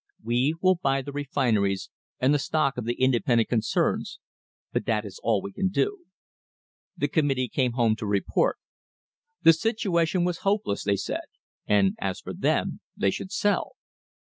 We will buy the refineries and the stock of the in dependent concerns, but that is all we can do. The com mittee came home to report. The situation was hopeless, they said, and, as for them, they should sell.